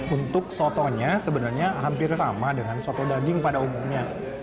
untuk sotonya sebenarnya hampir sama dengan soto daging pada umumnya